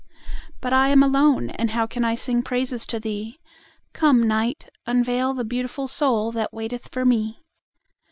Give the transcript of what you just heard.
But I am alone, and how can I singPraises to thee? Come, Night! unveil the beautiful soulThat waiteth for me.